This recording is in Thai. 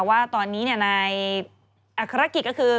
ว่าตอนนี้ในอัครกิจก็คือ